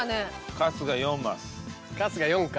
春日４か。